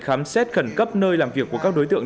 khám xét khẩn cấp nơi làm việc của các đối tượng